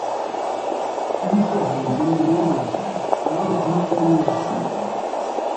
ibisazi mbimenya ntyo, naje guhita nkira